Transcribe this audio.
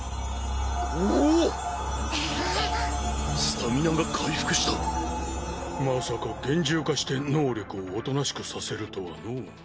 スタミナが回復した⁉まさか幻獣化して能力をおとなしくさせるとはのう。